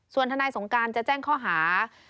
ส่วนทนายสงการจะแจ้งข้อหา